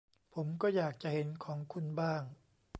ผมก็อยากจะเห็นของคุณบ้าง